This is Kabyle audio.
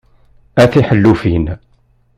A tiḥellufin!